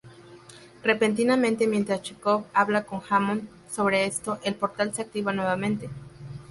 Repentinamente, mientras Chekov habla con Hammond sobre esto, el Portal se activa nuevamente.